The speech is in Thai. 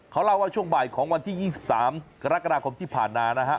เขาเล่าว่าช่วงบ่ายของวันที่๒๓กรกฎาคมที่ผ่านมานะฮะ